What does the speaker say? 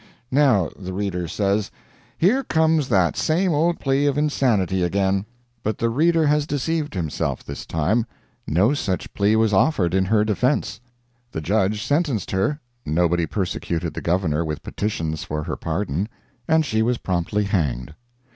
Now, the reader says, "Here comes that same old plea of insanity again." But the reader has deceived himself this time. No such plea was offered in her defense. The judge sentenced her, nobody persecuted the governor with petitions for her pardon, and she was promptly hanged.